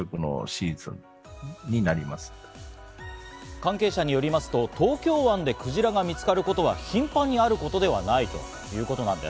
関係者によりますと、東京湾でクジラが見つかることは、頻繁にあることではないということです。